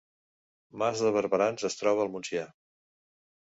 Mas de Barberans es troba al Montsià